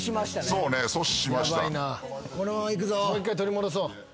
もう一回取り戻そう。